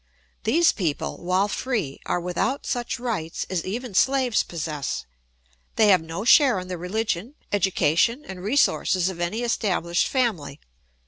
These people, while free, are without such rights as even slaves possess; they have no share in the religion, education, and resources of any established family.